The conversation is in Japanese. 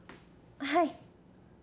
はい。